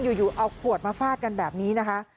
อยู่เอาขวดมาฟาดกันแบบนี้นะคะ